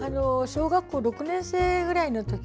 小学校６年生くらいのとき